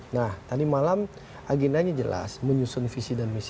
nah tadi malam agendanya jelas menyusun visi dan misi